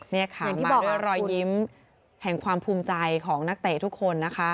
นี่ค่ะมาด้วยรอยยิ้มแห่งความภูมิใจของนักเตะทุกคนนะคะ